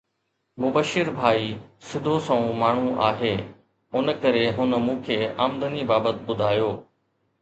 مبشر ڀائي سڌو سنئون ماڻهو آهي، ان ڪري هن مون کي آمدني بابت ٻڌايو